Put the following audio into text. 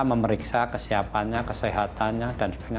memeriksa kesiapannya kesehatannya dan sebagainya